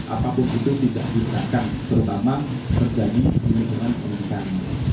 apapun itu tidak diinginkan terutama terjadi di lingkungan penyelidikan